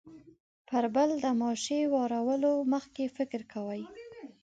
پر بل د ماشې وراړولو مخکې فکر کوي.